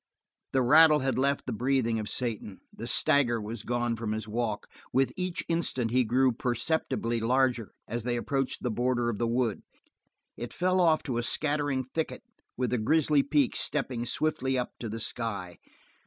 The rattle had left the breathing of Satan, the stagger was gone from his walk; with each instant he grew perceptibly larger as they approached the border of the wood. It fell off to a scattering thicket with the Grizzly Peaks stepping swiftly up to the sky.